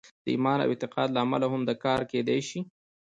د ایمان او اعتقاد له امله هم دا کار کېدای شي